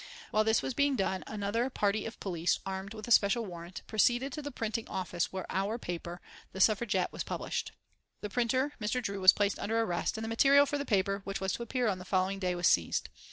While this was being done another party of police, armed with a special warrant, proceeded to the printing office where our paper, The Suffragette, was published. The printer, Mr. Drew, was placed under arrest and the material for the paper, which was to appear on the following day, was seized.